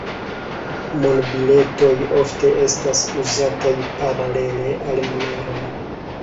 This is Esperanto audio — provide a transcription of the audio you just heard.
Monbiletoj ofte estas uzataj paralele al moneroj.